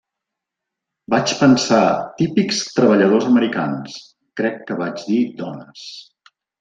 Vaig pensar 'típics treballadors americans', crec que vaig dir 'dones'.